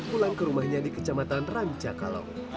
pulang ke rumahnya di kecamatan rancakalong